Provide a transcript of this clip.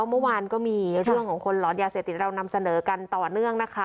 เมื่อวานก็มีเรื่องของคนหลอนยาเสพติดเรานำเสนอกันต่อเนื่องนะคะ